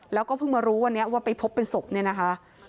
แล้วก็เพิ่งมารู้วันนี้ว่าไปพบเป็นศพเนี่ยนะคะ